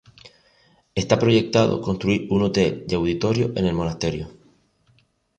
Está proyectado construir un hotel y auditorio en el monasterio.